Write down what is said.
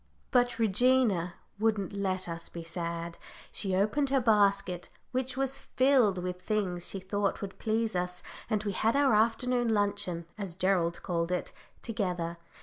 But Regina wouldn't let us be sad. She opened her basket, which was filled with things she thought would please us, and we had our afternoon luncheon, as Gerald called it, together.